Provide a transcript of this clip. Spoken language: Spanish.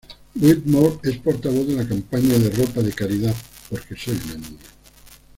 Whitmore es portavoz de la campaña de ropa de caridad Porque soy una niña.